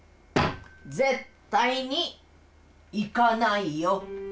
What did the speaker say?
絶対に行かないよ！